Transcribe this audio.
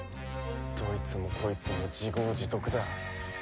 どいつもこいつも自業自得だ。